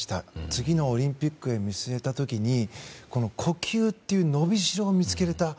次のオリンピックを見据えた時に呼吸という伸びしろを見つけられた。